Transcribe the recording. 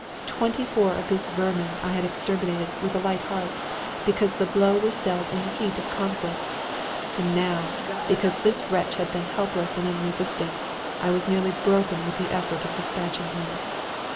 Twenty four of these vermin had I exterminated with a light heart, because the blow was dealt in the heat of conflict; and now, because this wretch had been helpless and unresisting, I was nearly broken with the effort of dispatching him.